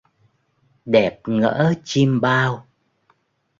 Đẹp, ngỡ chiêm bao